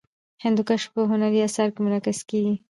هندوکش په هنري اثارو کې منعکس کېږي.